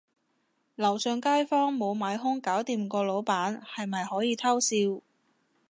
樓上街坊無買兇搞掂個老闆，係咪可以偷笑